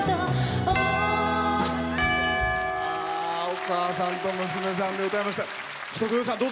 お母さんと娘さんで歌いました。